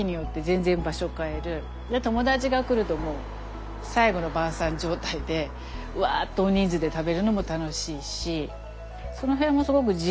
で友達が来るともう最後の晩餐状態でわっと大人数で食べるのも楽しいしその辺もすごく自由に使えるので。